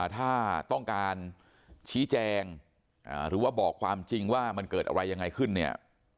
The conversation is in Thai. ถ้าต้องการชี้แจงหรือว่าบอกความจริงว่ามันเกิดอะไรยังไงขึ้นเนี่ย